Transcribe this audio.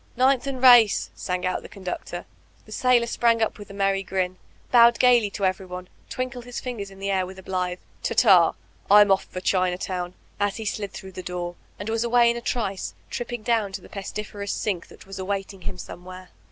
^Ninlh and Race/' sang out the conductor. The sailor sprang up with a merry grin, bowed gaily to everyone, twinkled his fingers in the air with a blithe 'Ta ta; Vm off for Chinatown, as he slid thfOiq;h the door, and was away in a trice, tripping down to the pestiferous sink that was awaiting him somewhere.